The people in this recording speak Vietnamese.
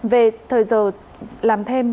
về thời giờ làm thêm